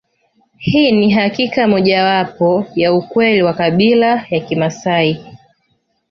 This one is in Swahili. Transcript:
Hii ni hakika moja wapo ya ukweli wa kabila ya Kimaasai